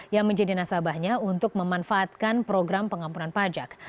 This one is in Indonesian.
yang menjadi nasabahnya untuk memanfaatkan program pengampunan pajak